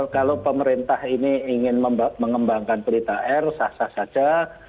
kalau pemerintah ini ingin mengembangkan pelita air sah sah saja